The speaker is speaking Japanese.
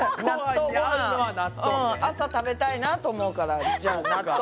朝食べたいなと思うから納豆。